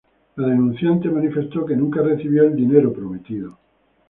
La denunciante manifestó que nunca recibió los dólares prometidos.